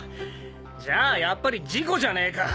じゃあやっぱり事故じゃねえか！